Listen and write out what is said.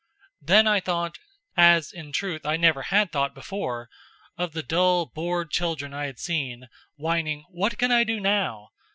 Then I thought, as in truth I never had thought before, of the dull, bored children I had seen, whining; "What can I do now?"